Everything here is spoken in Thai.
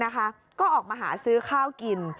ก็ออกมาหาซื้อข้าวกิน